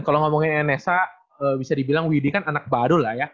kalau ngomongin nsa bisa dibilang widi kan anak badul lah ya